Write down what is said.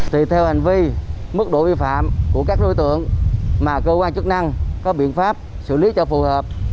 tùy theo hành vi mức độ vi phạm của các đối tượng mà cơ quan chức năng có biện pháp xử lý cho phù hợp